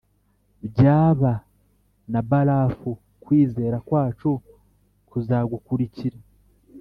byaba na barafu, kwizera kwacu kuzagukurikira